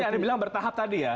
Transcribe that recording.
ini tadi bilang bertahap tadi ya